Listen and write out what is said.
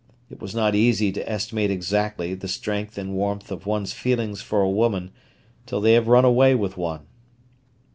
It was not easy to estimate exactly the strength and warmth of one's feelings for a woman till they have run away with one.